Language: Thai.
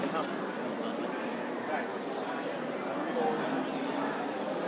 ใครก่อนด้วย